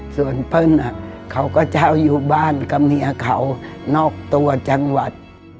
ส่วนเปิ้ลเขาก็จะเอาอยู่บ้านกับเมียเขานอกตัวจังหวัด